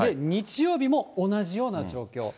日曜日も同じような状況。